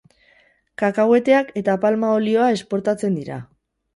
Kakahueteak eta palma olioa esportatzen dira.